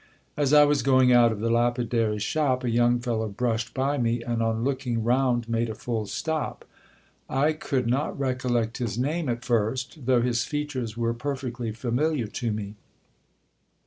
As I was going out of the lapidary's shop a young fellow brushed by me, and on looking round, made a full stop. I could not recollect his name at first, though his features were perfectly familiar to me.